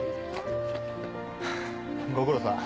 ご苦労さん。